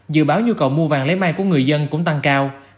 dự báo nhu cầu mua vàng lấy may của người dân cũng tăng cao